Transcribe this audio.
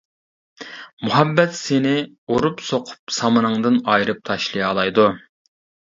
مۇھەببەت سېنى ئۇرۇپ-سوقۇپ سامىنىڭدىن ئايرىپ تاشلىيالايدۇ.